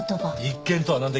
一見とは。